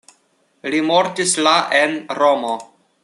Li mortis la en Romo.